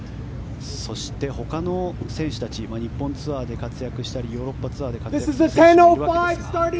そして他の選手たち日本ツアーで活躍したりヨーロピアンツアーで活躍したりしていますが。